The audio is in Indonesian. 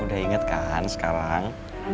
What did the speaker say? udah inget kan sekarang